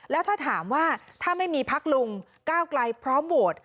แล้วถ้าถามว่าถ้าไม่มีพักลุงก้าวไกลพร้อมโหวต